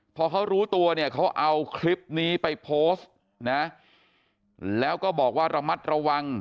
พอเขารู้ตัวเนี่ยเขาเอาคลิปนี้ไปโพสต์นะแล้วก็บอกว่าระมัดระวัง